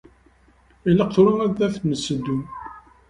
Ilaq tura ad ten-nseddu?